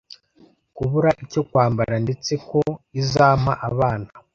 kubura icyo kwambara, ndetse ko izampa abana